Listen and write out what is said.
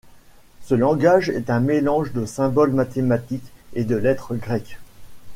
Ce langage est un mélange de symboles mathématiques et de lettres grecques.